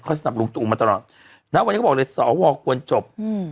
เขาจะสนับลุงตูมาตลอดแล้ววันนี้ก็บอกเลยสวณควรจบอืม